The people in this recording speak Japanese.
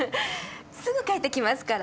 すぐ帰ってきますから。